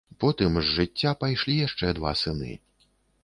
Потым з жыцця пайшлі яшчэ два сыны.